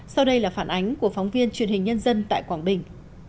sau đây là phản ánh của phóng viên truyền hình nhân dân tại quảng bình